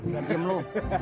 udah diam lo